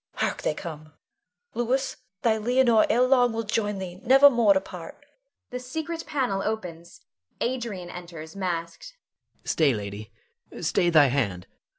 Hark! they come. Louis, thy Leonore ere long will join thee, never more to part. [The secret panel opens. Adrian enters masked.] Adrian. Stay, lady! stay thy hand!